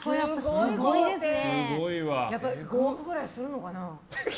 ５億ぐらいするのかな？